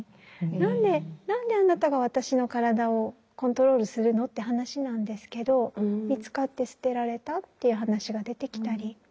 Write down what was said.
何で何であなたが私の体をコントロールするのって話なんですけど見つかって捨てられたっていう話が出てきたり。